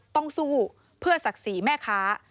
ต้องสู้เพื่อศักดิ์ศรีแม่ค้า